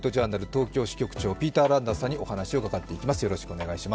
東京支局長、ピーター・ランダースさんにお話を伺っていきます。